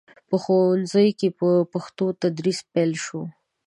په ښوونځیو کې په پښتو تدریس پیل شو.